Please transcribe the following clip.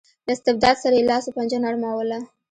له استبداد سره یې لاس و پنجه نرموله.